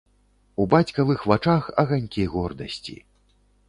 У бацькавых вачах аганькі гордасці.